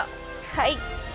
はい。